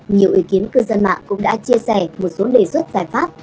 nhiều ý kiến cư dân mạng cũng đã chia sẻ một số đề xuất giải pháp